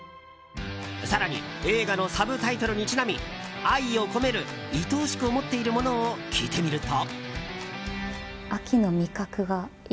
更に映画のサブタイトルにちなみ愛を込める、いとおしく思っているものを聞いてみると。